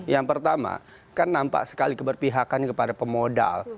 yang pertama kan nampak sekali keberpihakan kepada pemodal